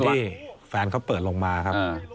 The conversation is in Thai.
ที่แฟนเขาเปิดลงมาครับ